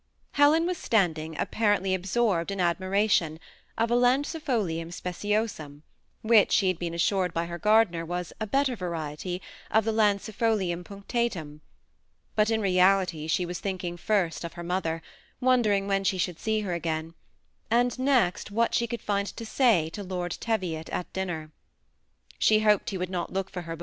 Helen was standing apparently absorbed in ad miration of a Landlblium speciosum, which she had been assured by her gardener was ^' a better variety " of the Landfolium punctatum ; but in reality she was Uiinking first of her mother, wondering when she should see her again ; and next what she could find to say to Lord Teviot at dinner. She hoped he would not look for hei?